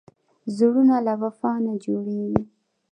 زړونه له وفا نه جوړېږي.